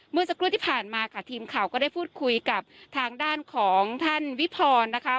เมื่อสักครู่ที่ผ่านมาค่ะทีมข่าวก็ได้พูดคุยกับทางด้านของท่านวิพรนะคะ